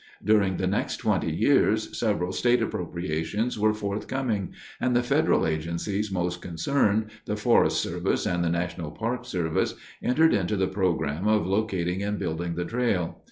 During the next twenty years several state appropriations were forthcoming, and the federal agencies most concerned, the Forest Service and the National Park Service, entered into the program of locating and building the trail.